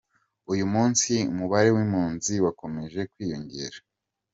Uyu munsi umubare w’impunzi wakomeje kwiyongera.